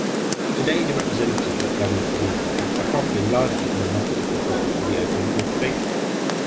To day the representatives of that government at Hongkong are profiting largely from a monopoly control of the opium importation.